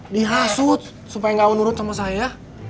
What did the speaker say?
dihasut supaya enggak unurut sama saya